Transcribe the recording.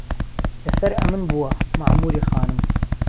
دهسهر ئهمن بووه مهعموری خانم